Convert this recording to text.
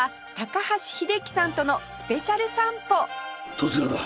十津川だ。